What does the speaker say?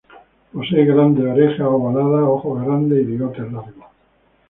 Posee grandes orejas ovaladas, ojos grandes y bigotes largos.